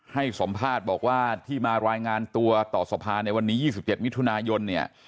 ให้สัมภาษณ์บอกว่าที่มารายงานตัวต่อสภาในวันนี้๒๗มิถุนายนเนี่ย